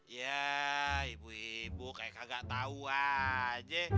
ya ibu ibu kayak gak tau aja